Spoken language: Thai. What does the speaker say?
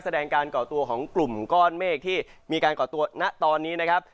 แสดงการก่อตัวของกลุ่มก้อนเมฆที่มีการก่อตัวณตอนนี้นะครับ